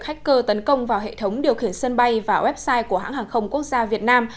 hacker tấn công vào hệ thống điều khiển sân bay và website của hãng hàng không quốc gia việt nam